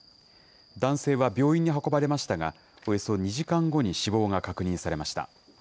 男性は病院に運ばれましたが、およそ２時間後に死亡が確認されました。